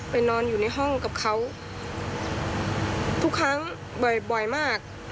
นอนอยู่ในห้องกับเขาทุกครั้งบ่อยบ่อยมาก